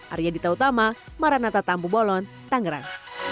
arya dita utama maranata tampu bolon tangerang